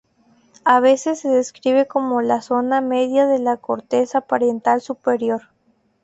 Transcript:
A veces se describe como la zona media de la corteza parietal superior.